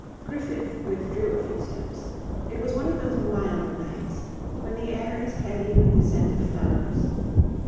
Griffith withdrew a few steps. It was one of those mild nights, when the air is heavy with the scent of flowers.